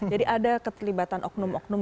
jadi ada ketelibatan oknum oknum